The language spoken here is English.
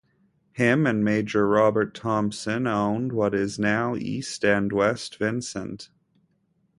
Him and Major Robert Thompson owned what is now East and West Vincent.